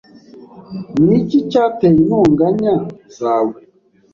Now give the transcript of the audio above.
Niki cyateye intonganya zawe?